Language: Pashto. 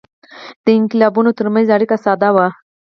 د انقلابونو ترمنځ اړیکه ساده وه.